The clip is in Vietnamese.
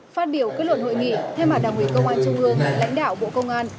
phát biểu kết luận hội nghị thay mặt đảng ủy công an trung ương lãnh đạo bộ công an